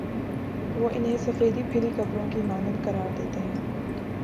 وہ انہیں سفیدی پھری قبروں کی مانند قرار دیتے ہیں۔